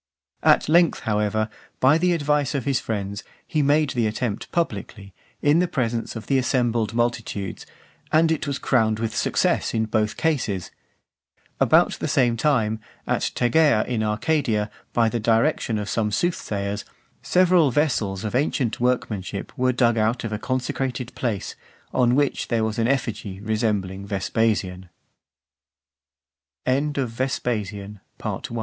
At length, however, by the advice of his friends, he made the attempt publicly, in the presence of the assembled multitudes, and it was crowned with success in both cases . About the same time, at Tegea in Arcadia, by the direction (451) of some soothsayers, several vessels of ancient workmanship were dug out of a consecrated place, on which there was an effigy resembling Vespasian. VIII.